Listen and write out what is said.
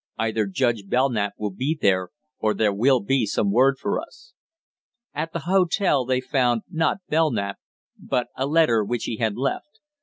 Either Judge Belknap will be there, or there will be some word for us." At the hotel they found, not Belknap, but a letter which he had left.